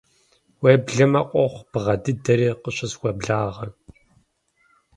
Уеблэмэ, къохъу бгъэ дыдэри къыщысхуеблагъэ.